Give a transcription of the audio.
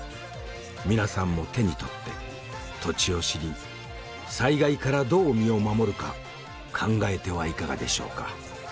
皆さんも手に取って土地を知り災害からどう身を守るか考えてはいかがでしょうか。